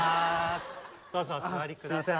どうぞお座り下さい。